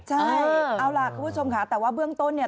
ใช่เอาล่ะคุณผู้ชมค่ะแต่ว่าเบื้องต้นเนี่ย